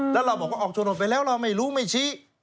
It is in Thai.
แล้วเราบอกว่าออกโฉนดไปแล้วเราไม่รู้ไม่ชี้